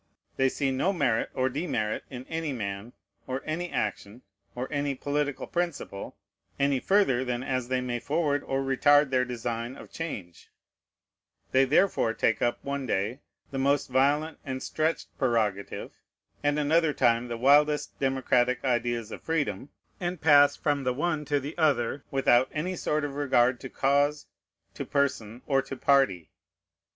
They see no merit or demerit in any man, or any action, or any political principle, any further than as they may forward or retard their design of change; they therefore take up, one day, the most violent and stretched prerogative, and another time the wildest democratic ideas of freedom, and pass from the one to the other without any sort of regard to cause, to person, or to party.